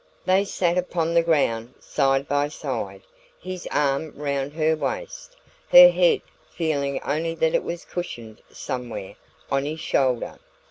They sat upon the ground side by side, his arm round her waist, her head feeling only that it was cushioned somewhere on his shoulder.